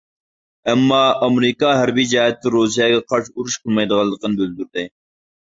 ئەمما ئامېرىكا ھەربىي جەھەتتە رۇسىيەگە قارشى ئۇرۇش قىلمايدىغانلىقىنى بىلدۈردى.